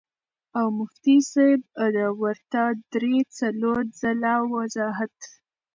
او مفتي صېب ورته درې څلور ځله وضاحت